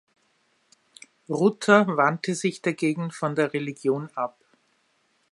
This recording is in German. Rutter wandte sich dagegen von der Religion ab.